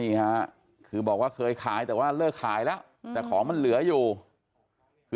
นี่ฮะคือบอกว่าเคยขายแต่ว่าเลิกขายแล้วแต่ของมันเหลืออยู่คือ